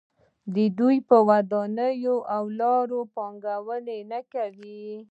آیا دوی په ودانیو او لارو پانګونه نه کوي؟